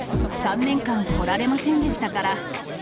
３年間来られませんでしたから。